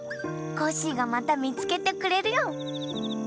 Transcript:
コッシーがまたみつけてくれるよ。